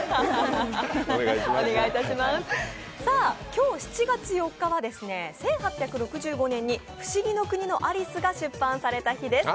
今日７月４日は１８６５年に「不思議の国のアリス」が出版された日です。